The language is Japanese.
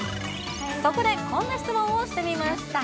そこでこんな質問をしてみました。